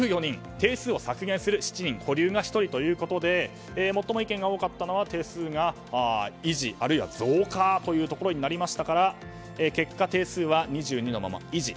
定数を削減する７人保留が１人ということでもっとも意見が多かったのは定数を維持あるいは増加というところになりましたから結果、定数は２２のまま維持。